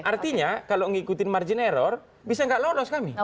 artinya kalau mengikuti margin error bisa tidak lolos kami